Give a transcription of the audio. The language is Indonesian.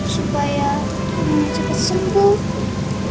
supaya aku cepet sembuh